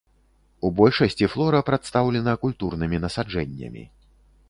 У большасці флора прадстаўлена культурнымі насаджэннямі.